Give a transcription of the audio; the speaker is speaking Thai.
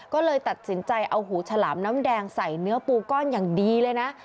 ก็เลยตัดสินใจเอาหูฉลามน้ำแดงใส่เนื้อปูก้อนอย่างดีเลยนะ